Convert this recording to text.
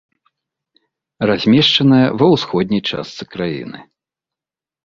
Размешчаная ва ўсходняй частцы краіны.